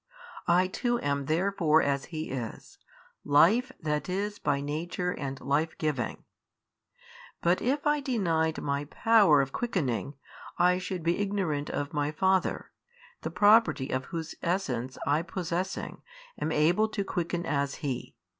I too am therefore as He is, Life that is by Nature and Lifegiving. But if I denied My power of quickening, I should be ignorant of My Father, the Property of whose Essence I possessing, am able to quicken as He.